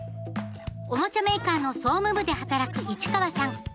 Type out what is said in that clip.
おもちゃメーカーの総務部で働く市川さん。